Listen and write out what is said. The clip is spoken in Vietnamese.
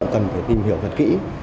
cần phải tìm hiểu thật kỹ